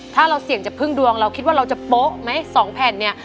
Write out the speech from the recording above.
ถ้าเราเสี่ยงจะพึ่งดวงเราคิดว่าเราจะโป๊ะไหม๒แผ่นเนี่ย